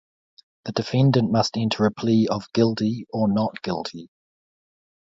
The defendant must enter a plea of "guilty" or "not guilty".